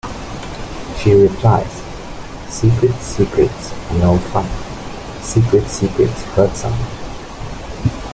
She replies, "Secret secrets are no fun, secret secrets hurt someone".